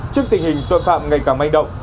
trước tình hình tội phạm ngày càng may đông